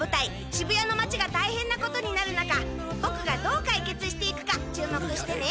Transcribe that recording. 渋谷の街が大変なことになる中僕がどう解決して行くか注目してね。